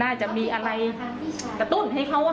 อาจจะมีอะไรกระตุ้นให้เขาว่า